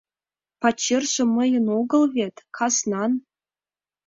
— Пачерже мыйын огыл вет — казнан!